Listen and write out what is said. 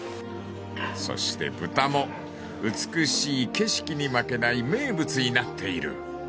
［そして豚も美しい景色に負けない名物になっている］